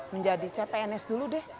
menjadi cpns dulu deh